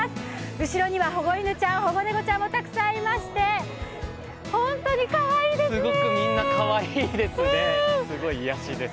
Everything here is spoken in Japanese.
後ろには保護犬ちゃん、保護猫ちゃんもたくさんいましてすごくみんなかわいです、癒やしです。